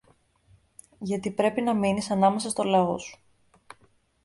Γιατί πρέπει να μείνεις ανάμεσα στο λαό σου.